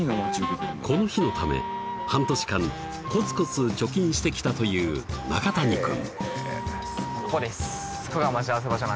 この日のため半年間コツコツ貯金してきたという中谷君